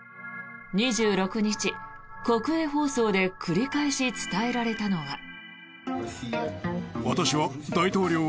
２６日、国営放送で繰り返し伝えられたのは。